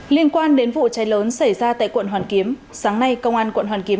liên quan đến vụ cháy lớn xảy ra tại quận hoàn kiếm sáng nay công an quận hoàn kiếm